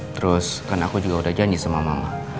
terus kan aku juga udah janji sama mama